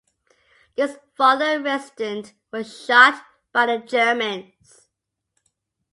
This father-resistant, was shot by the Germans.